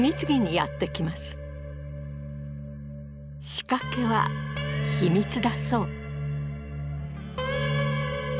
仕掛けは秘密だそう。